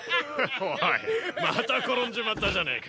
オイまた転んじまったじゃねえか。